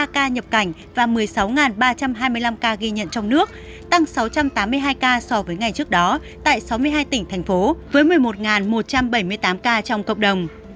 ba ca nhập cảnh và một mươi sáu ba trăm hai mươi năm ca ghi nhận trong nước tăng sáu trăm tám mươi hai ca so với ngày trước đó tại sáu mươi hai tỉnh thành phố với một mươi một một trăm bảy mươi tám ca trong cộng đồng